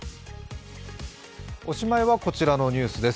おしまいはこちらのニュースです。